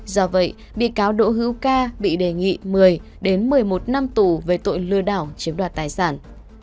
do vậy bị cáo đỗ hữu ca bị đề nghị một mươi đến một mươi một năm tù về tội lừa đảo chiếm đoạt tài sản